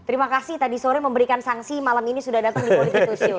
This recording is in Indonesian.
terima kasih tadi sore memberikan sanksi malam ini sudah datang di political show